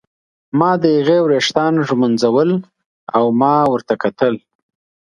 ما د هغې ویښتان ږمونځول او ما ورته کتل.